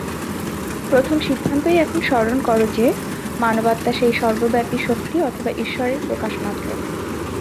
প্রথম সিদ্ধান্তই এখন স্মরণ কর যে, মানবাত্মা সেই সর্বব্যাপী শক্তি অথবা ঈশ্বরের প্রকাশমাত্র।